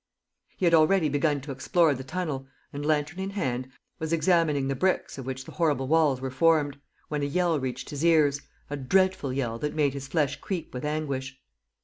..." He had already begun to explore the tunnel and, lantern in hand, was examining the bricks of which the horrible walls were formed, when a yell reached his ears, a dreadful yell that made his flesh creep with anguish.